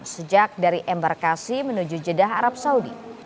sejak dari embarkasi menuju jeddah arab saudi